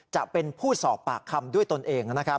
จะเป็นผู้สอบปากคำด้วยตนเองนะครับ